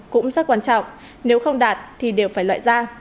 mức quan trọng nếu không đạt thì đều phải loại ra